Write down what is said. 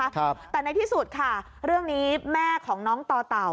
ครับแต่ในที่สุดค่ะเรื่องนี้แม่ของน้องต่อเต่า